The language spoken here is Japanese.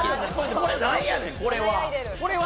これ何やねん、これは。